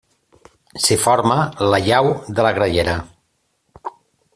S'hi forma la llau de la Grallera.